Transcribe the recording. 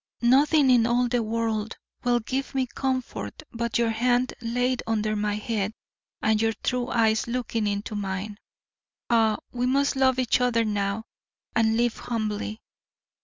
Nothing in all the world will give me comfort but your hand laid under my head and your true eyes looking into mine. Ah, we must love each other now, and live humbly!